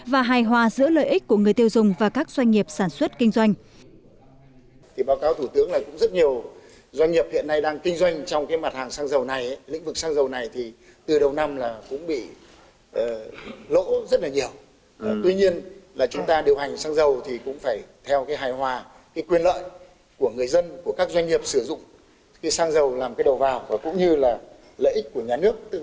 và hài hòa giữa lợi ích của người tiêu dùng và các doanh nghiệp sản xuất kinh doanh